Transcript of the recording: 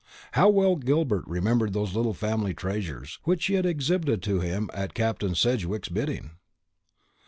How well Gilbert remembered those little family treasures, which she had exhibited to him at Captain Sedgewick's bidding!